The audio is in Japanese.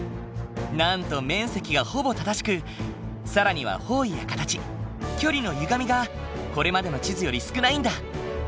なんと面積がほぼ正しく更には方位や形距離のゆがみがこれまでの地図より少ないんだ。